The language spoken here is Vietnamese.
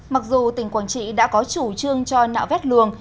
mặc dù tỉnh quảng trị đã có chủ trương cho nạo vét luồng